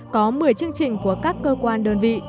có một mươi chương trình của các cơ quan đơn vị